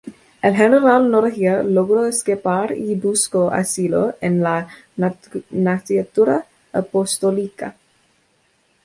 El General Noriega logró escapar y buscó asilo en la Nunciatura Apostólica.